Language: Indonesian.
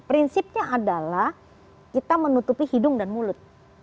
prinsipnya adalah kita menutupi hidung dan mulut